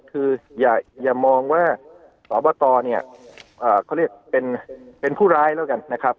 คืออย่ามองว่าสอบตเนี่ยเขาเรียกเป็นผู้ร้ายแล้วกันนะครับ